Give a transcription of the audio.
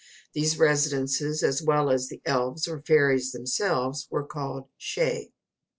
These residences, as well as the elves or fairies themselves, were called Shee.